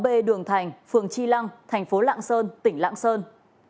tp đường thành phường tri lăng tp lạng sơn tỉnh lạng sơn